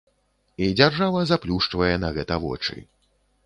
І дзяржава заплюшчвае на гэта вочы.